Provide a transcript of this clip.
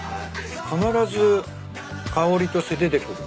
必ず香りとして出てくる。